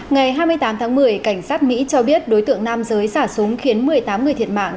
ngày hai mươi tám tháng một mươi cảnh sát mỹ cho biết đối tượng nam giới xả súng khiến một mươi tám người thiệt mạng